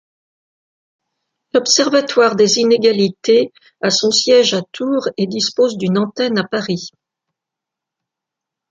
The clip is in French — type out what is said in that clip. L'Observatoire des inégalités a son siège à Tours et dispose d'une antenne à Paris.